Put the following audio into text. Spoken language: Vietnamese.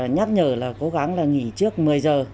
nhắc nhở là cố gắng nghỉ trước một mươi h